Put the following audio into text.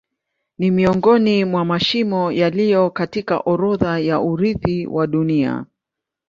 Ni miongoni mwa mashimo yaliyo katika orodha ya urithi wa Dunia.